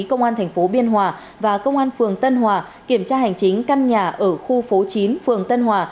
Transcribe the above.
công an tp biên hòa và công an phường tân hòa kiểm tra hành chính căn nhà ở khu phố chín phường tân hòa